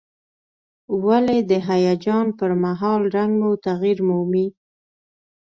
ولې د هیجان پر مهال رنګ مو تغییر مومي؟